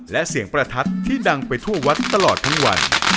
และเสียงประทัดที่ดังไปทั่ววัดตลอดทั้งวัน